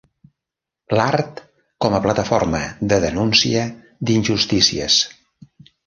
L'art com a plataforma de denúncia d'injustícies.